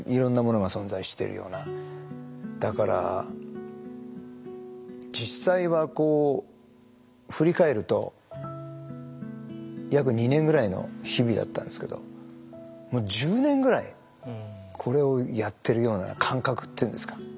だから実際はこう振り返ると約２年ぐらいの日々だったんですけどもう１０年ぐらいこれをやってるような感覚っていうんですか。